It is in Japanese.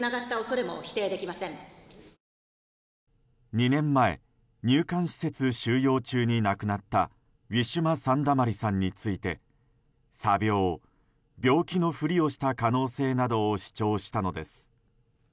２年前入管施設収容中に亡くなったウィシュマ・サンダマリさんについて詐病、病気のふりをした可能性などを主張したのです。